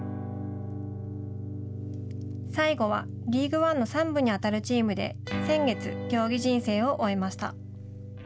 最後は、リーグワンの３部に当たるチームで先月、競技人生を終えました。